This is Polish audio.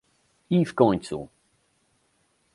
I w końcu